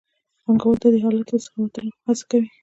پانګوال د دې حالت څخه د وتلو هڅه کوي